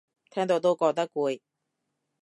聽到都覺得攰